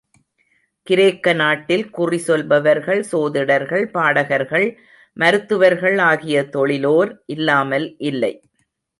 கிரேக்க நாட்டில் குறிசொல்பவர்கள், சோதிடர்கள், பாடகர்கள், மருத்துவர்கள் ஆகிய தொழிலோர் இல்லாமல் இல்லை.